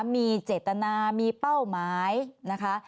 มีเจตนามีเป้าหมายนะคะ